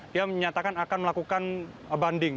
dia menyatakan akan melakukan banding